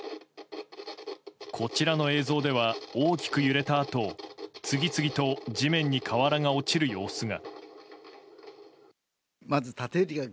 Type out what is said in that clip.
こちらの映像では大きく揺れたあと次々と地面に瓦が落ちる様子が。